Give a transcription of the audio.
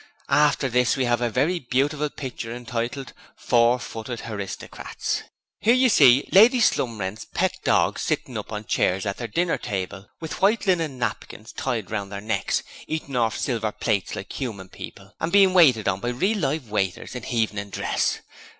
After this we 'ave a very beautiful pitcher hintitled "Four footed Haristocrats". 'Ere you see Lady Slumrent's pet dogs sittin' up on chairs at their dinner table with white linen napkins tied round their necks, eatin' orf silver plates like human people and being waited on by real live waiters in hevening dress.